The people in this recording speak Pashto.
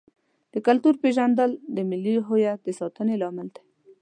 د کلتور پیژندل د ملي هویت د ساتنې لامل دی.